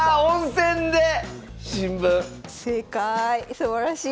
すばらしい。